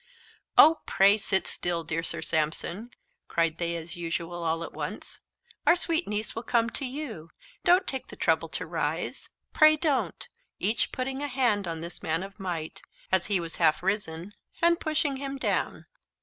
"Oh, pray sit still, dear Sir Sampson," cried they as usual all at once; "our sweet niece will come to you, don't take the trouble to rise; pray don't," each putting a hand on this man of might, as he was half risen, and pushing him down.